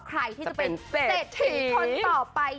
ใครที่จะเป็นเศรษฐีคนต่อไป